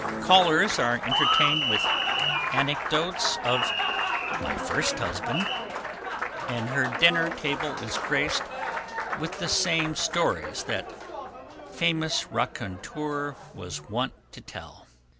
Callers are entertained with anecdotes of "my first husband," and her dinner table is graced with the same stories that famous raconteur was wont to tell.